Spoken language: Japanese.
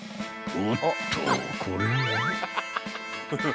［おっとこれは］